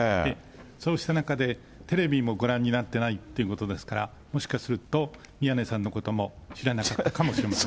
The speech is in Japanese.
そうした中で、テレビもご覧になってないってことですから、もしかすると、宮根さんのことも知らなかったかもしれません。